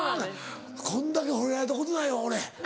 こんだけほれられたことないわ俺。